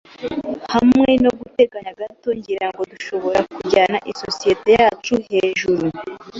Hamwe noguteganya gato, ngira ngo dushobora kujyana isosiyete yacu hejuru.